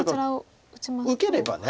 受ければね